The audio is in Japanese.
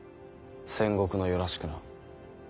戦国の世らしくな。